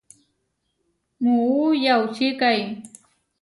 Muú yaučikái.